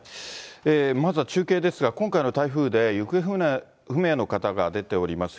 まずは中継ですが、今回の台風で行方不明の方が出ております